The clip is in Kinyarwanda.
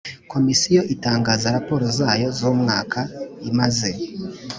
Komisiyo itangaza raporo zayo z umwaka imaze